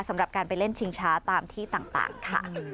สำหรับการไปเล่นชิงช้าตามที่ต่างค่ะ